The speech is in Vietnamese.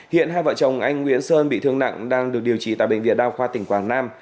hiện hai vợ chồng anh nguyễn sơn bị thương nặng đang được điều trị tại bệnh viện đa khoa tỉnh quảng nam